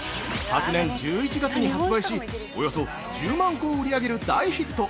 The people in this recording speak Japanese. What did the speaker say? ◆昨年１１月に発売しおよそ１０万個を売り上げる大ヒット！